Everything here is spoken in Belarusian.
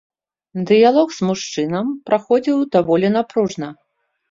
Дыялог з мужчынам праходзіў даволі напружана.